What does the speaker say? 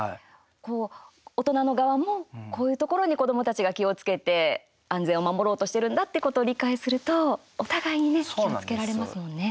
大人の側もこういうところに子どもたちが気をつけて安全を守ろうとしているんだってことを理解するとお互いに気をつけられますものね。